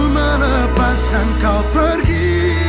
tala orange ditipis